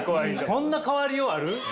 こんな変わりようある？